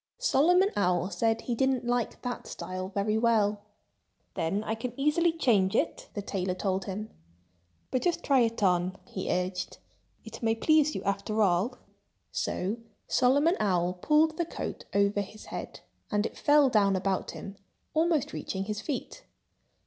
Solomon Owl said he didn't like that style very well. "Then I can easily change it," the tailor told him. "But just try it on!" he urged. "It may please you, after all." So Solomon Owl pulled the coat over his head. And it fell down about him, almost reaching his feet.